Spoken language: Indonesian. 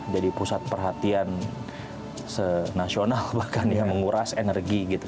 jadi pusat perhatian senasional bahkan ya menguras energi gitu